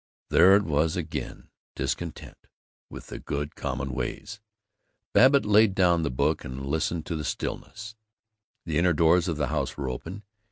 There it was again: discontent with the good common ways. Babbitt laid down the book and listened to the stillness. The inner doors of the house were open.